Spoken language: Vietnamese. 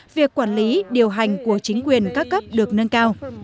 việc quản lý điều hành của chính quyền các cấp được nâng cao